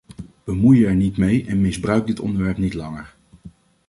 Bemoei je er niet mee en misbruik dit onderwerp niet langer.